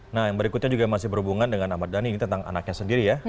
nah yang berikutnya juga masih berhubungan dengan ahmad dhani ini tentang anaknya sendiri ya